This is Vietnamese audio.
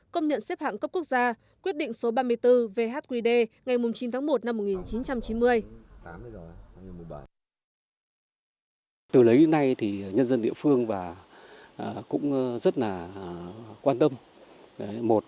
công nhận xếp hạng cấp quốc gia quyết định số ba mươi bốn vhqd ngày chín tháng một năm một nghìn chín trăm chín mươi